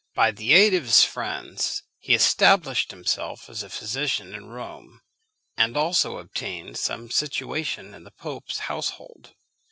By the aid of his friends he established himself as a physician in Rome, and also obtained some situation in the pope's household.